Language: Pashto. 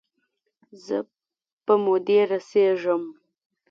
زه په مودې رسیږم